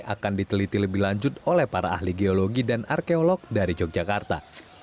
akan diteliti lebih lanjut oleh para ahli geologi dan arkeolog dari yogyakarta